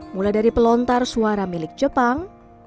mulai dari pelontar suara milik jepang